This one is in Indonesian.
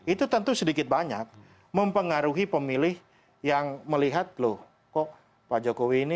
itu tentu sedikit banyak mempengaruhi pemilih yang melihat loh kok pak jokowi ini